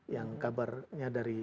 yang kabarnya dari